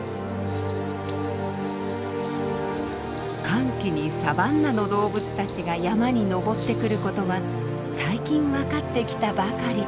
乾季にサバンナの動物たちが山に登ってくることは最近わかってきたばかり。